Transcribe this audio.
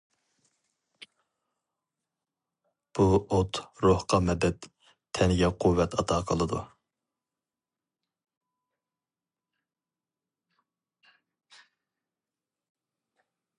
بۇ ئوت روھقا مەدەت، تەنگە قۇۋۋەت ئاتا قىلىدۇ.